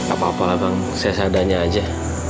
apa apa lah bang saya sadanya aja